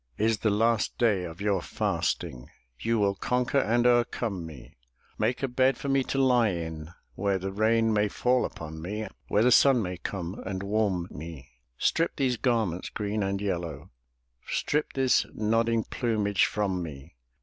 Is the last day of your fasting. You will conquer and overcome me; Make a bed for me to lie in, Where the rain may fall upon me. Where the sun may come and warm me; Strip these garments, green and yellow, Strip this nodding plumage from me.